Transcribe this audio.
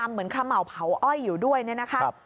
เหมือนขะเหมาเผาอ้อยอยู่ด้วยเนี่ยนะคะ